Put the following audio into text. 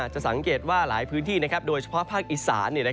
จะสังเกตว่าหลายพื้นที่โดยเฉพาะภาคอีสาน